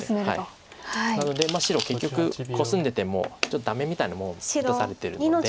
なので白結局コスんでてもちょっとダメみたいなもの打たされてるので。